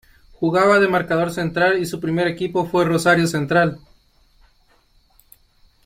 Jugaba de marcador central y su primer equipo fue Rosario Central.